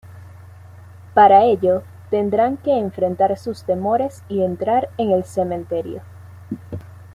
Para ello, tendrán que enfrentar sus temores y entrar en el cementerio.